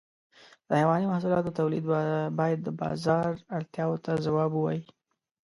د حيواني محصولاتو تولید باید د بازار اړتیاو ته ځواب ووایي.